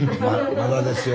まだですよ。